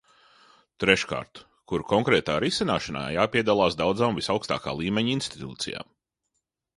Treškārt, kuru konkrētā risināšanā jāpiedalās daudzām visaugstākā līmeņa institūcijām.